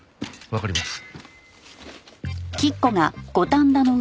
わかります。